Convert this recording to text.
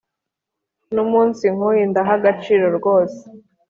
numunsi nkuyu ndaha agaciro rwose.